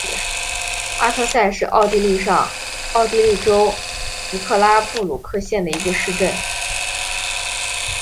阿特塞是奥地利上奥地利州弗克拉布鲁克县的一个市镇。